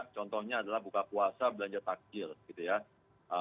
contohnya adalah buka puasa belanja takjil gitu ya